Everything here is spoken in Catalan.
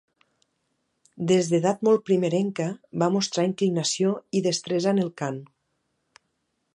Des d'edat molt primerenca va mostrar inclinació i destresa en el cant.